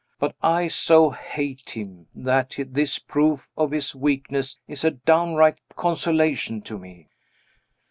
But I so hate him, that this proof of his weakness is a downright consolation to me.